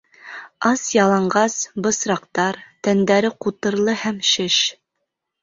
Ас-яланғас, бысраҡтар, тәндәре ҡутырлы һәм шеш.